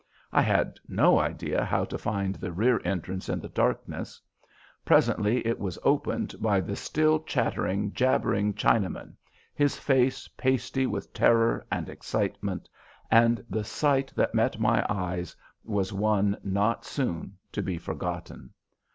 I had no idea how to find the rear entrance in the darkness. Presently it was opened by the still chattering, jabbering Chinaman, his face pasty with terror and excitement, and the sight that met my eyes was one not soon to be forgotten.